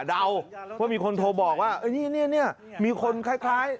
เดาว่ามีคนโทรบอกว่าเนี่ยมีคนคล้าย